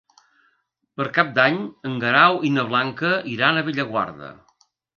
Per Cap d'Any en Guerau i na Blanca iran a Bellaguarda.